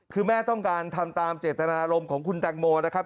คือแม่ต้องการทำตามเจตนารมณ์ของคุณแตงโมนะครับ